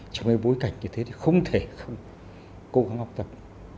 trong cái bối cảnh như thế thì không thể không cố gắng học tập